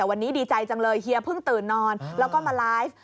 วันนี้ดีใจจังเลยเฮียเพิ่งตื่นนอนแล้วก็มาไลฟ์